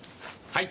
はい！